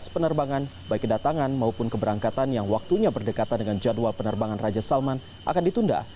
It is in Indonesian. dua belas penerbangan baik kedatangan maupun keberangkatan yang waktunya berdekatan dengan jadwal penerbangan raja salman akan ditunda